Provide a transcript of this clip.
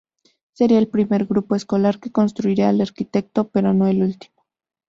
Sería el primer grupo escolar que construiría el arquitecto, pero no el último.